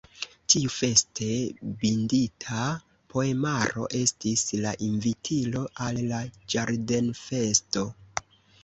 Tiu feste bindita poemaro estis la invitilo al la ĝardenfesto.